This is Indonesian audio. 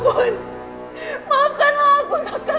maafkanlah aku takkan nyangat lagi